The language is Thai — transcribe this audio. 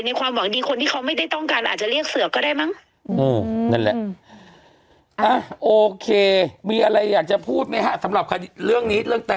ความหวังดีคนที่เขาไม่ได้ต้องการอาจจะเรียกเสือก็ได้มั้ง